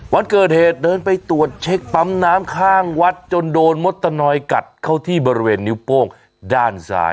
วันเกิดเหตุเดินไปตรวจเช็คปั๊มน้ำข้างวัดจนโดนมดตะนอยกัดเข้าที่บริเวณนิ้วโป้งด้านซ้าย